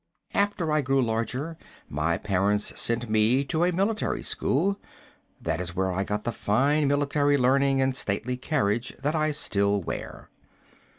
After I grew larger, my parents sent me to a military school. That is where I got the fine military learning and stately carriage that I still wear.